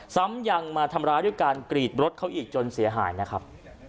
ซ้ำยังมาทำร้ายด้วยการกรีดรถเขาอีกจนเสียหายนะครับ